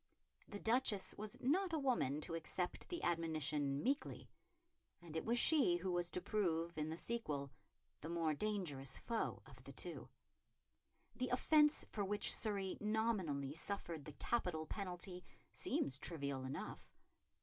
The Duchess was not a woman to accept the admonition meekly, and it was she who was to prove, in the sequel, the more dangerous foe of the two. The offence for which Surrey nominally suffered the capital penalty seems trivial enough.